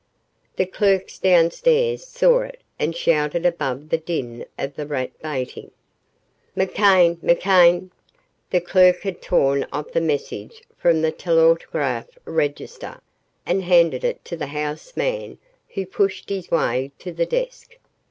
The clerks downstairs saw it and shouted above the din of the rat baiting. "McCann McCann!" The clerk had torn off the message from the telautograph register, and handed it to the house man who pushed his way to the desk.